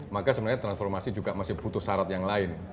maka sebenarnya transformasi juga masih butuh syarat yang lain